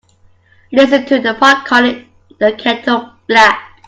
Listen to the pot calling the kettle black.